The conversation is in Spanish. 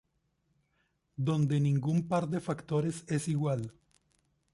Donde ningún par de factores es igual.